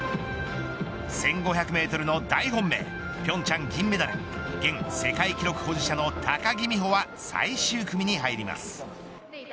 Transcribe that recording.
１５００メートルの大本命平昌銀メダル現世界記録保持者の高木美帆は最終組に入ります。